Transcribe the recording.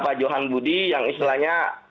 pak johan budi yang istilahnya